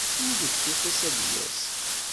Ur deg tiṭ-is ad d-yas.